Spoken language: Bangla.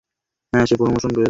হ্যাঁ, সে প্রমোশন পেয়েছে।